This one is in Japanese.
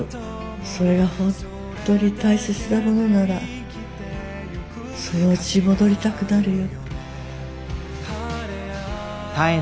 それが本当に大切なものならそのうち戻りたくなるよ。